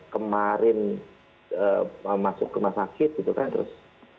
kemarin masuk ke mas akit gitu kan terus